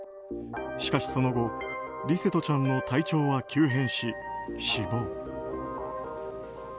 しかし、その後琉聖翔ちゃんの体調は急変し死亡。